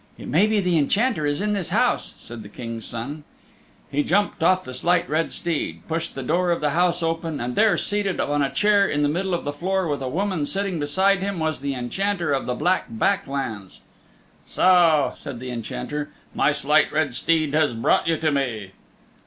"It may be the Enchanter is in this house," said the King's Son. He jumped off the Slight Red Steed, pushed the door of the house open, and there, seated on a chair in the middle of the floor with a woman sitting beside him, was the Enchanter of the Black Back Lands. "So," said the Enchanter, "my Slight Red Steed has brought you to me."